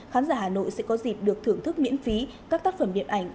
khán giả hà nội sẽ có dịp được thưởng thức miễn phí các tác phẩm điện ảnh